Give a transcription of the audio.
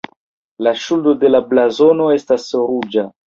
La ŝildo de la blazono estas ruĝa.